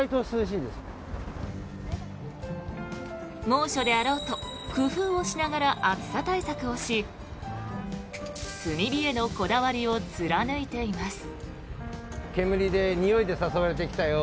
猛暑であろうと工夫をしながら暑さ対策をし炭火へのこだわりを貫いています。